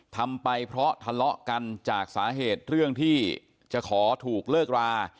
ทำไปเพราะทะเลาะกันจากสาเหตุเรื่องที่จะขอถูกเลิกรา